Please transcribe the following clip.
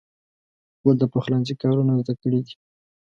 خور د پخلنځي کارونه زده کړي وي.